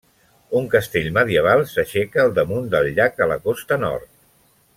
Un castell medieval s'aixeca al damunt del llac a la costa nord.